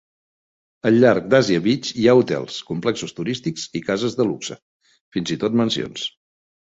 Al llarg d'Asia Beach hi ha hotels, complexos turístics i cases de luxe, fins i tot mansions.